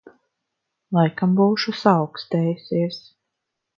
Laikam būšu saaukstējusies.